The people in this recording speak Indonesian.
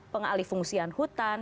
pengalih fungsian hutan